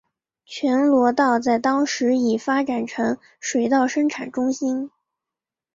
全罗道在当时已发展成水稻生产中心。